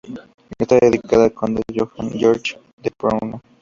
Está dedicada al conde Johann Georg von Browne.